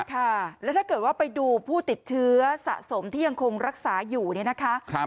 ค่ะแล้วถ้าเกิดว่าไปดูผู้ติดเชื้อสะสมที่ยังคงรักษาอยู่เนี่ยนะคะ